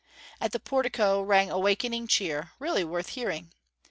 At the portico rang a wakening cheer, really worth hearing.